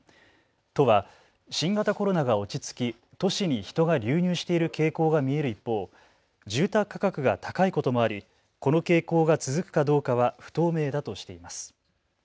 都は新型コロナが落ち着き都市に人が流入している傾向が見える一方、住宅価格が高いこともあり、この傾向が続くかどうかは不透明だとしています。